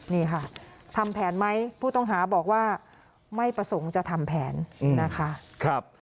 นี่ค่ะทำแผนไหมผู้ต้องหาบอกว่าไม่ประสงค์จะทำแผนนะคะ